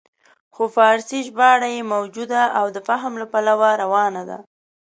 خو فارسي ژباړه یې موجوده او د فهم له پلوه روانه ده.